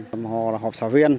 cảm ơn anh em